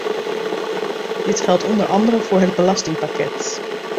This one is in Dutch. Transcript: Dit geldt onder andere voor het belastingpakket.